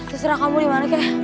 seserah kamu dimana oke